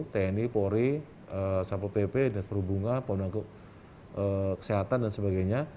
tni pori sampo pp dinas perhubungan pondok kesehatan dan sebagainya